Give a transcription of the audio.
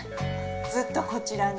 ずっとこちらに？